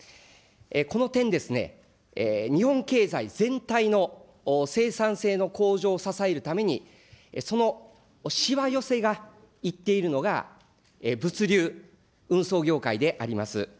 この点ですね、日本経済全体の生産性の向上を支えるために、そのしわ寄せがいっているのが、物流、運送業界であります。